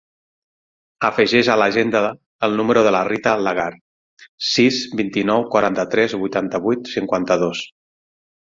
Afegeix a l'agenda el número de la Rita Lagar: sis, vint-i-nou, quaranta-tres, vuitanta-vuit, cinquanta-dos.